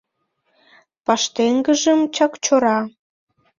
Паштеҥгыжым Чакчора